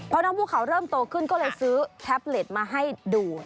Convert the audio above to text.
พอน้องภูเขาเริ่มโตขึ้นก็เลยซื้อแท็บเล็ตมาให้ดู